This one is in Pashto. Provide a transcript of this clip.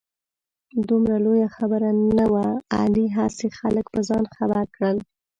دومره لویه خبره نه وه. علي هسې خلک په ځان خبر کړ.